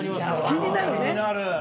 気になるね。